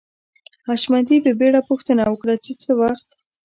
حشمتي په بېړه پوښتنه وکړه چې څه وخت